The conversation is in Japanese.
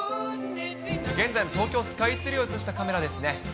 現在の東京スカイツリーを写したカメラですね。